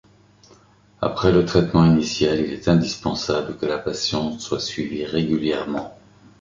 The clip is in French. Après le traitement initial, il est indispensable que la patiente soit suivie régulièrement.